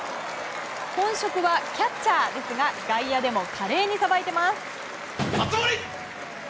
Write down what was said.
本職はキャッチャーですが外野でも華麗にさばいています。